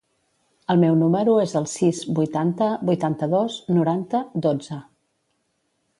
El meu número es el sis, vuitanta, vuitanta-dos, noranta, dotze.